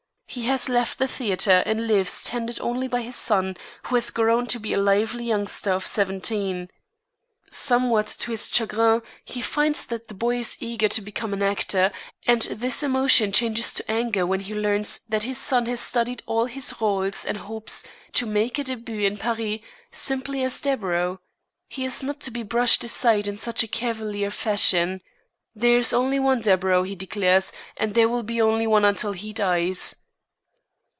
He has left the theater and he lives tended only by his son, who has grown to be a lively youngster of seventeen. Somewhat to his chagrin, he finds that the boy is eager to become an actor, and this emotion changes to anger when he learns that his son has studied all his rôles and hopes to make a début in Paris simply as Deburau. He is not to be brushed aside in such cavalier fashion. There is only one Deburau, he declares, and there will be only one until he dies.